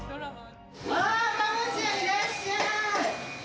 あー、カモちゃん、いらっしゃい。